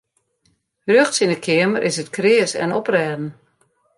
Rjochts yn de keamer is it kreas en oprêden.